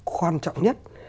khoan trọng nhất